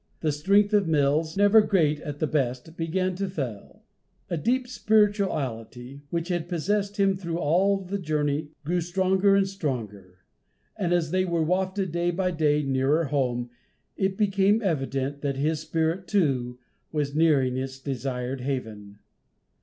The strength of Mills, never great at the best, began to fail. A deep spirituality, which had possessed him through all the journey, grew stronger and stronger. And as they were wafted, day by day, nearer home, it became evident that his spirit, too, was nearing its desired haven.